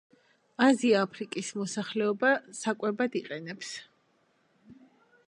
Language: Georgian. აზია-აფრიკის მოსახლეობა საკვებად იყენებს.